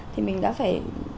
thì mình đã phải